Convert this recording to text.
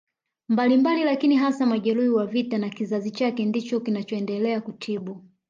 mbalimbali lakini hasa majeruhi wa vita na kizazi chake ndicho kinachoendelea kutibu